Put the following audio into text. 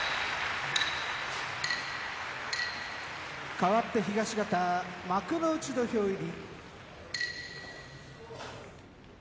かわって東方幕内土俵入り。